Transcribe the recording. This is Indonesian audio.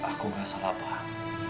aku nggak salah faham